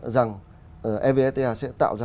rằng evsth sẽ tạo ra